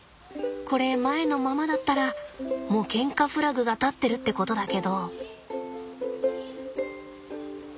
これ前のままだったらもうケンカフラグが立ってるってことだけど？